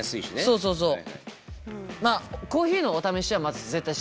そうそうそう。